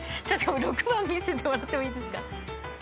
６番見せてもらってもいいですか？